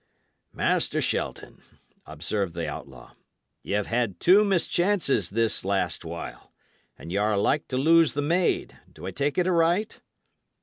"Master Shelton," observed the outlaw, "y' 'ave had two mischances this last while, and y' are like to lose the maid do I take it aright?"